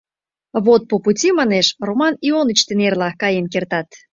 — Вот по-пути, — манеш, — Роман Ионыч дене эрла каен кертат.